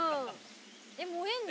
えっ燃えんの？